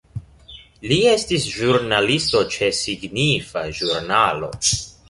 Li estis ĵurnalisto ĉe signifa ĵurnalo.